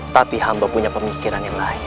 tapi hamba punya pemikiran yang lain